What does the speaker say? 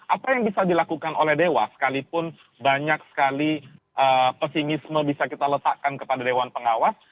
apa yang bisa dilakukan oleh dewas sekalipun banyak sekali pesimisme bisa kita letakkan kepada dewan pengawas